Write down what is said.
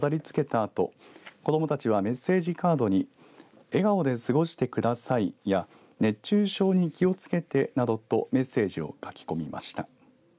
あと子どもたちはメッセージカードに笑顔で過ごしてください、や熱中症に気を付けてなどとメッセージを書き込みました。